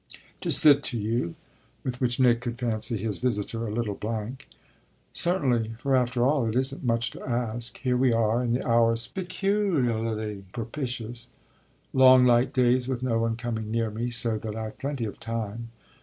"To sit to you?" With which Nick could fancy his visitor a little blank. "Certainly, for after all it isn't much to ask. Here we are and the hour's peculiarly propitious long light days with no one coming near me, so that I've plenty of time.